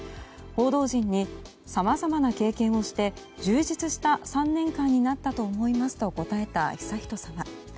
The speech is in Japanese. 報道陣にさまざまな経験をして充実した３年間になったと思いますと答えた悠仁さま。